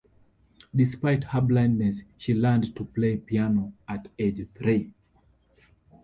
Despite her blindness, she learned to play piano at age three.